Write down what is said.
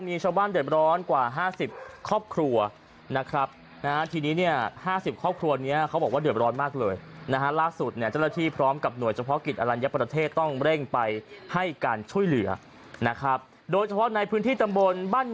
มีชาวบ้านเด็ดร้อนกว่า๕๐ครอบครัวนะครับ